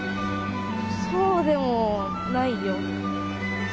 そうでもないよ。